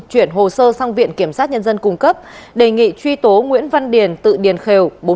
chuyển hồ sơ sang viện kiểm sát nhân dân cung cấp đề nghị truy tố nguyễn văn điền tự điền khều